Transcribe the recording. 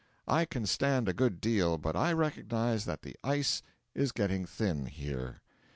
I can stand a good deal, but I recognise that the ice is getting thin here.